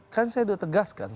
kan saya sudah tegaskan